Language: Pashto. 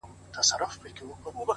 • ته یوازی تنها نه یې ,